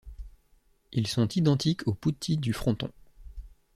Ils sont identiques aux putti du fronton.